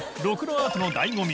アートの醍醐味